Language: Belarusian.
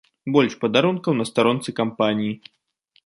Больш падарункаў на старонцы кампаніі.